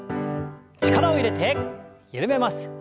力を入れて緩めます。